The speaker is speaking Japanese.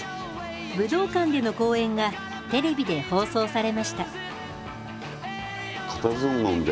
武道館での公演がテレビで放送されました。